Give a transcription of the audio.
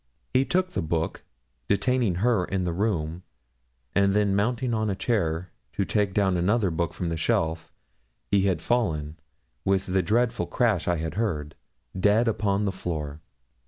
He took the book, detaining her in the room, and then mounting on a chair to take down another book from a shelf, he had fallen, with the dreadful crash I had heard, dead upon the floor.